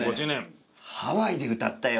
「ハワイでうたったよ」